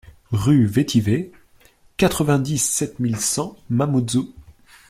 RUE VETIVER, quatre-vingt-dix-sept mille six cents Mamoudzou